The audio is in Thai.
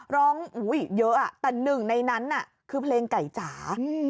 ร้องเยอะแต่หนึ่งในนั้นน่ะคือเพลงไก่จ๋า